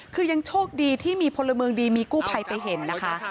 คือยังโชคดีที่มีพลเมืองดีมีกู้ภัยไปเห็นนะคะ